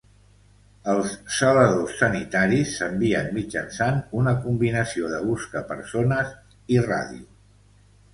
Els zeladors sanitaris s'envien mitjançant una combinació de buscapersones i ràdio.